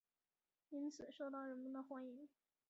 因而受到人们的欢迎。